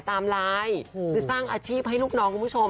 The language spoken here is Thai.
ไลน์คือสร้างอาชีพให้ลูกน้องคุณผู้ชม